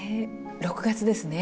６月ですね。